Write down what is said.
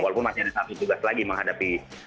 walaupun masih ada satu tugas lagi menghadapi